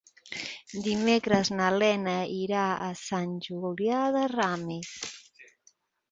Dimecres na Lena irà a Sant Julià de Ramis.